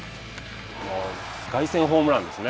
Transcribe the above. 外旋ホームランですね。